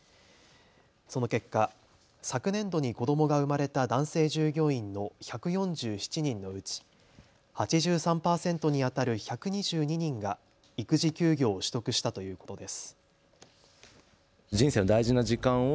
その結果、昨年度に子どもが生まれた男性従業員の１４７人のうち、８３％にあたる１２２人が育児休業を取得したということです。